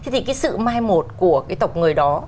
thì cái sự mai một của cái tộc người đó